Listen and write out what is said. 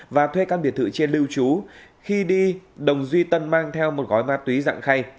và thuê căn biệt thự trên lưu trú khi đi đồng duy tân mang theo một gói ma túy dạng khay